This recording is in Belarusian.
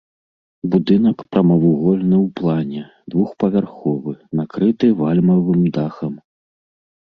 Будынак прамавугольны ў плане, двухпавярховы, накрыты вальмавым дахам.